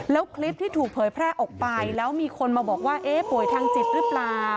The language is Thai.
แล้วคลิปที่ถูกเผยแพร่ออกไปแล้วมีคนมาบอกว่าเอ๊ะป่วยทางจิตหรือเปล่า